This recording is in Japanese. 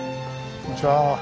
こんにちは。